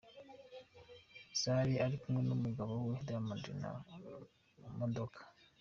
Zari ari kumwe n’umugabo we Diamond mu modoka.